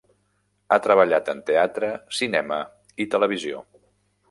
Ha treballat en teatre, cinema i televisió.